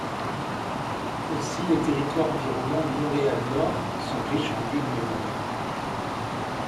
Aussi, les territoires environnant Montréal-Nord sont riches en lieux de mémoire.